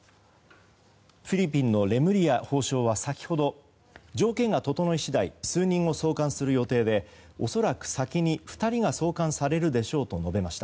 フィリピンのレムリヤ法相は先ほど、条件が整い次第数人を送還する予定で恐らく先に２人が送還されるでしょうと述べました。